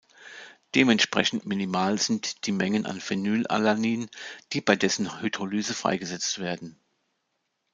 Dementsprechend minimal sind die Mengen von Phenylalanin, die bei dessen Hydrolyse freigesetzt werden.